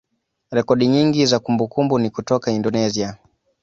rekodi nyingi za kumbukumbu ni kutoka Indonesia.